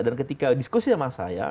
dan ketika diskusi sama saya